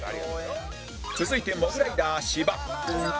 続いてモグライダー芝